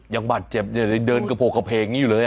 ยังบาดเจ็บเดินกระโพกกับเพลงอยู่เลย